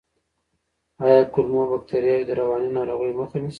آیا کولمو بکتریاوې د رواني ناروغیو مخه نیسي؟